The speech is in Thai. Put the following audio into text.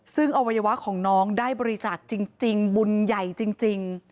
ซึ่งอวัยวะของน้องได้บริจาคจริงบุญใหญ่จริง